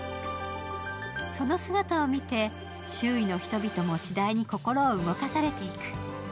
その姿を見て、周囲の人々も次第に心を動かされていく。